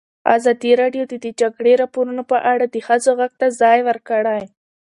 ازادي راډیو د د جګړې راپورونه په اړه د ښځو غږ ته ځای ورکړی.